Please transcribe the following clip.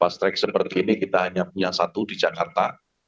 pas track seperti ini kita hanya punya satu di jakarta